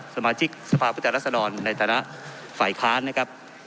สมาชิกสภาพุทธรัศดรในฐานะฝ่ายค้านนะครับ